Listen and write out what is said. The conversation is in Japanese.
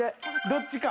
どっちか。